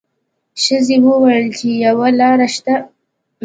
ښځې وویل چې یوه لار شته.